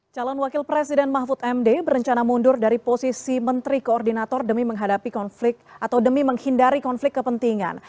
calon wakil presiden mahfud md berencana mundur dari posisi menteri koordinator demi menghadapi konflik atau demi menghindari konflik kepentingan